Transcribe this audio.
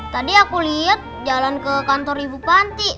tadi aku lihat jalan ke kantor ibu panti